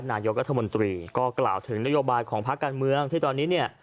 นายกรัฐมนตรีก็กล่าวถึงนโยบายของภาคการเมืองที่ตอนนี้เนี่ย